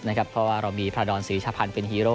เพราะว่าเรามีพระดอนศรีชะพันธ์เป็นฮีโร่